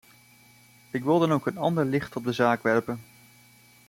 Ik wil dan ook een ander licht op de zaak werpen.